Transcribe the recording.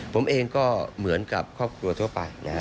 ผมเองก็เหมือนกับครอบครัวทั่วไปนะครับ